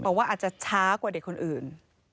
บอกว่าอาจจะช้ากว่าเด็กคนอื่น